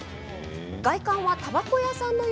外観はたばこ屋さんですが。